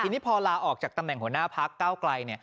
ทีนี้พอลาออกจากตำแหน่งหัวหน้าพักเก้าไกล